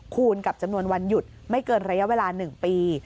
คูณกับจำนวนวันหยุดไม่เกินระยะเวลา๑ปี